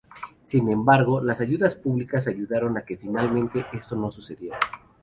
Sin embargo, las ayudas públicas ayudaron a que finalmente esto no sucediera.